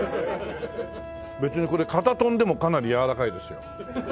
別にこれ硬豚でもかなりやわらかいですよ。